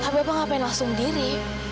bapak ngapain langsung diri